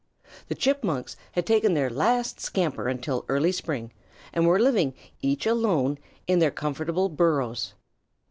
The Chipmunks had taken their last scamper until early spring, and were living, each alone, in their comfortable burrows.